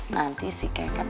nanti si keket